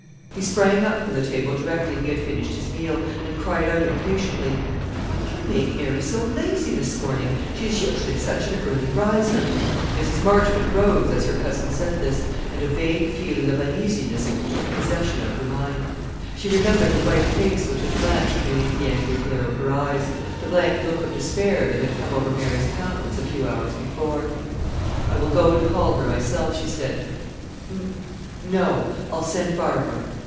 He sprang up from the table directly he had finished his meal, and cried out impatiently, "What can make Mary so lazy this morning? she is usually such an early riser." Mrs. Marchmont rose as her cousin said this, and a vague feeling of uneasiness took possession of her mind. She remembered the white face which had blanched beneath the angry glare of her eyes, the blank look of despair that had come over Mary's countenance a few hours before. "I will go and call her myself," she said. "N no; I'll send Barbara."